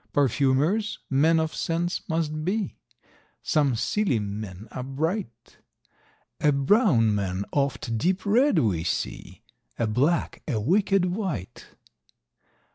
Perfumers, men of scents must be, some Scilly men are bright; A brown man oft deep read we see, a black a wicked wight.